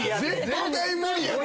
絶対無理やって。